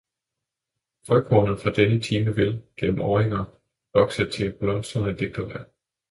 Frøkornet fra denne time vil, gennem åringer, vokse til et blomstrende digterværk.